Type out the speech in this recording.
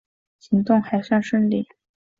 行动还算顺利